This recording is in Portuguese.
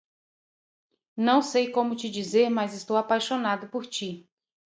Não sei como te dizer, mas estou apaixonado por ti.